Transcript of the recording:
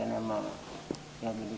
abah mau pesen apa ke agus